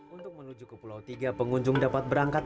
untuk menuju ke pulau tiga pengunjung dapat berangkat